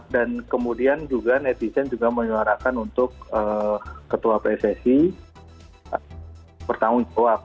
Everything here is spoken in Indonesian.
dan kemudian juga netizen juga menyuarakan untuk ketua pssi bertanggung jawab